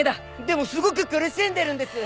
でもすごく苦しんでるんです！